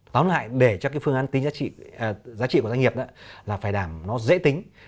tóm lại để cho cái phương án tính giá trị của doanh nghiệp là phải đảm nó dễ tính